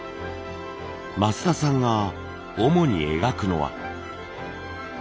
増田さんが主に描くのは。